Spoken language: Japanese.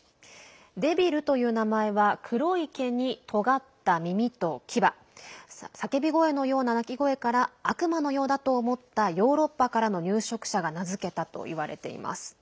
デビルという名前は黒い毛に、とがった耳と牙叫び声のような鳴き声から悪魔のようだと思ったヨーロッパからの入植者が名付けたといわれています。